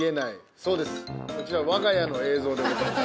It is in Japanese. そうですこちらわが家の映像でございます。